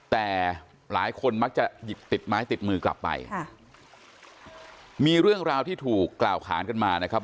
แต่หลายคนมักจะหยิบติดไม้ติดมือกลับไปค่ะมีเรื่องราวที่ถูกกล่าวขานกันมานะครับ